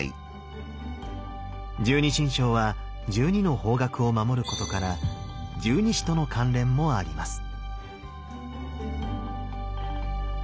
十二神将は十二の方角を守ることから十二支との関連もあります。